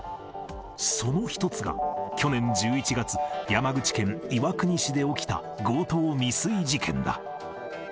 その１つが、去年１１月、山口県岩国市で起きた強盗未遂事件だ。